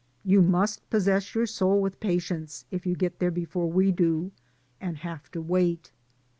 You must possess your soul with patience, if you get there before we do, and have to wait.